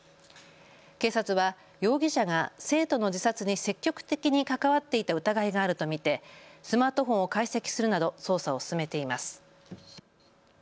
警察は容疑者が生徒の自殺に積極的に関わっていた疑いがあると見てスマートフォンを解析するなど捜査を進めています。